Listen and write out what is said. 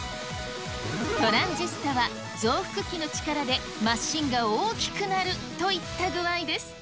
トランジスタはぞうふくきのちからでマシンが大きくなるといった具合です。